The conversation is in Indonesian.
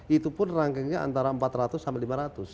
itu pun rangkangnya antara empat ratus sampai dua ratus